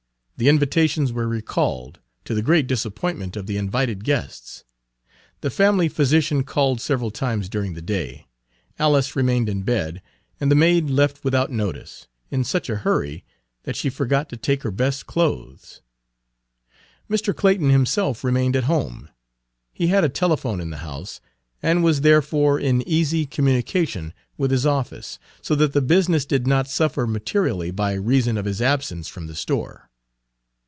The invitations were recalled, to the great disappointment of the invited guests. The family physician called several times during the day. Alice remained in bed, and the maid left without notice, in such a hurry that she forgot to take her best clothes. Page 125 Mr. Clayton himself remained at home. He had a telephone in the house, and was therefore in easy communication with his office, so that the business did not suffer materially by reason of his absence from the store.